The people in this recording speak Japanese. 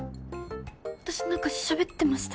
私何かしゃべってました？